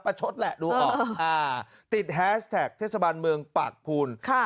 ชดแหละดูออกอ่าติดแฮสแท็กเทศบาลเมืองปากภูน